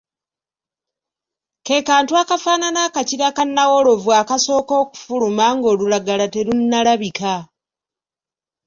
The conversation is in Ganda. Ke kantu akafaanana akakira ka nnawolovu akasooka okufuluma ng'olulagala terunnalabika.